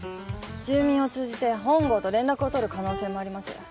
住民を通じて本郷と連絡を取る可能性もあります。